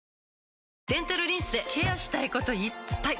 デンタルリンスでケアしたいこといっぱい！